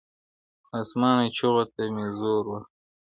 .آسمانه چېغو ته مي زور ورکړه.